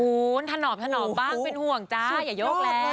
อู๋ถนอบบ้างเป็นห่วงจ้าอย่ายกแรก